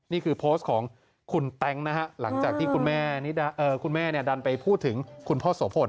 นี่คือโพสต์ของคุณแต๊งนะฮะหลังจากที่คุณแม่ดันไปพูดถึงคุณพ่อโสพล